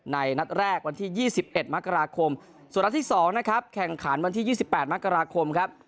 นัดแรกวันที่๒๑มกราคมส่วนนัดที่๒นะครับแข่งขันวันที่๒๘มกราคมครับ